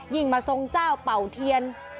มาทรงเจ้าเป่าเทียน